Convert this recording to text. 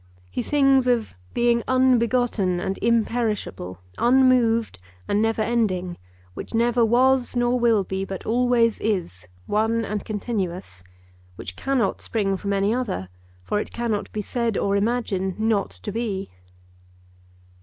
He sings of 'Being unbegotten and imperishable, unmoved and never ending, which never was nor will be, but always is, one and continuous, which cannot spring from any other; for it cannot be said or imagined not to be.